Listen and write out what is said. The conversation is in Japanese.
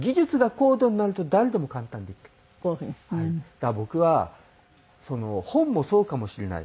だから僕は本もそうかもしれない。